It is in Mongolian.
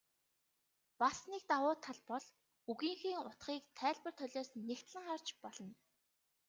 Бас нэг давуу тал бол үгийнхээ утгыг тайлбар толиос нягтлан харж болно.